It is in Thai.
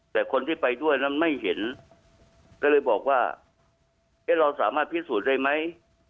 แต่คนที่ไปด้วยนั้นไม่เห็นก็เลยบอกว่าเอ๊ะเราสามารถพิสูจน์ได้ไหม